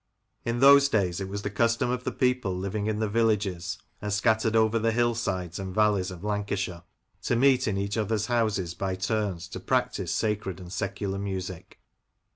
In those days it was the custom of the people living in the villages, and scattered over the hillsides and valleys of Lancashire, to meet in each other's houses by turns to practise sacred and secular music.